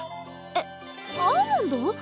えっアーモンド？